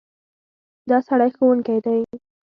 دا سړی ښوونکی دی.